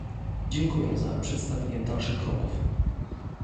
Dziękuję za przedstawienie dalszych kroków